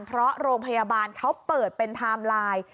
เพราะโรงพยาบาลเขาเปิดเป็นไทม์ไลน์